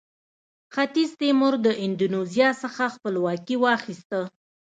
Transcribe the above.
ختیځ تیمور د اندونیزیا څخه خپلواکي واخیسته.